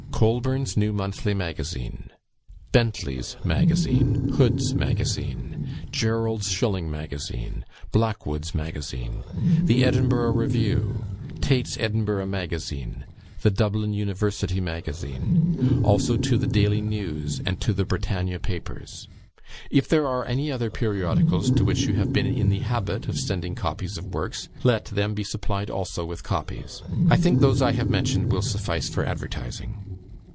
"'Colburn's New Monthly Magazine.' "'Bentley's Magazine.' "'Hood's Magazine.' "'Jerrold's Shilling Magazine.' "'Blackwood's Magazine.' "'The Edinburgh Review.' "'Tait's Edinburgh Magazine.' "'The Dublin University Magazine.' "Also to the 'Daily News' and to the 'Britannia' papers. "If there are any other periodicals to which you have been in the habit of sending copies of works, let them be supplied also with copies. I think those I have mentioned will suffice for advertising."